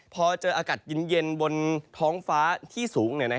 พอเจออากาศเย็นบนท้องฟ้าที่สูง